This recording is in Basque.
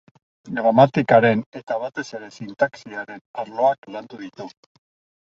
Gramatikaren eta batez ere sintaxiaren arloak landu ditu.